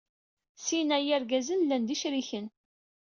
Sin-a yergazen llan d icriken.